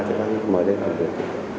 thì anh mời đến làm việc